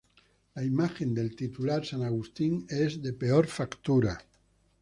La imagen del titular, San Agustín, es de peor factura.